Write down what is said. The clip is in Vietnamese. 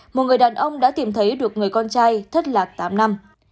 một người đàn ông đã tìm thấy được người con trai thất lạc tám năm